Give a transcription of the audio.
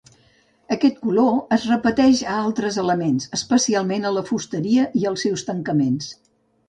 Aquest color es repeteix a altres elements, especialment a la fusteria i els seus tancaments.